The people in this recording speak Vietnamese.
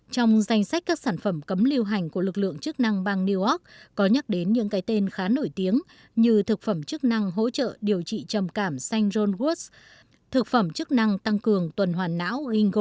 trong danh sách các sản phẩm cấm lưu hành của lực lượng chức năng bang new york có nhắc đến những cái tên khá nổi tiếng như thực phẩm chức năng hỗ trợ điều trị trầm cảm xanh rôn woods thực phẩm chức năng tăng cường tuần hoàn não